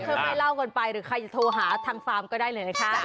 ถ้าไม่เล่ากันไปหรือใครจะโทรหาทางฟาร์มก็ได้เลยนะคะ